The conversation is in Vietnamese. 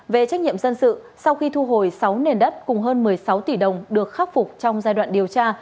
về trách nhiệm dân sự sau khi thu hồi sáu nền đất cùng hơn một mươi sáu tỷ đồng được khắc phục trong giai đoạn điều tra